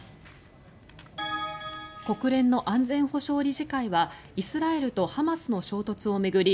国連の安全保障理事会はイスラエルとハマスの衝突を巡り